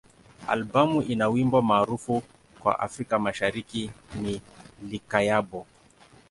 Albamu ina wimbo maarufu kwa Afrika Mashariki ni "Likayabo.